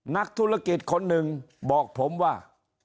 นักธุรกิจคนหนึ่งบอกผมว่า